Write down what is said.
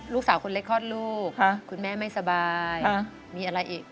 ลูกสาวคนเล็กคลอดลูกคุณแม่ไม่สบายมีอะไรอีก